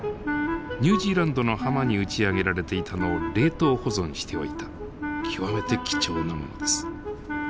ニュージーランドの浜に打ち上げられていたのを冷凍保存しておいた極めて貴重なものです。